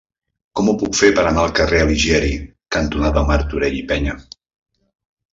Com ho puc fer per anar al carrer Alighieri cantonada Martorell i Peña?